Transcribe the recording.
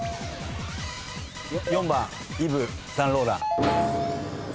４番イヴ・サンローラン。